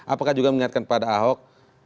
apakah juga mengingatkan kepada ahok